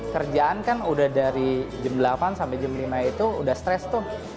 kerjaan kan udah dari jam delapan sampai jam lima itu udah stres tuh